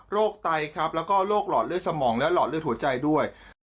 ไตครับแล้วก็โรคหลอดเลือดสมองและหลอดเลือดหัวใจด้วย